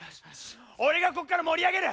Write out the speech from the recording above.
俺がこっから盛り上げる。